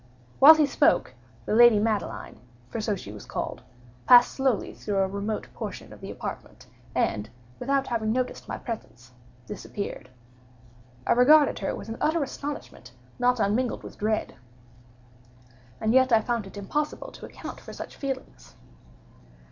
While he spoke, the lady Madeline (for so was she called) passed slowly through a remote portion of the apartment, and, without having noticed my presence, disappeared. I regarded her with an utter astonishment not unmingled with dread—and yet I found it impossible to account for such feelings.